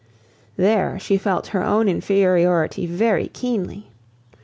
There she felt her own inferiority very keenly.